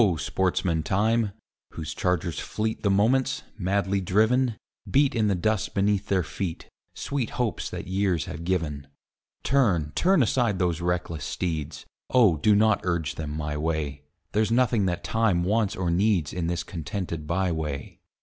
sportsman Time, whose chargers fleet The moments, madly driven, Beat in the dust beneath their feet Sweet hopes that years have given; Turn, turn aside those reckless steeds, Oh! do not urge them my way; There's nothing that Time wants or needs In this contented by way.